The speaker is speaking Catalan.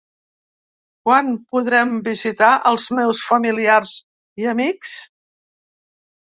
Quan podrem visitar els meus familiars i amics?